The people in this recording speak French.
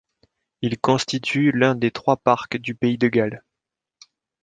Il constitue l’un des trois parcs du pays de Galles.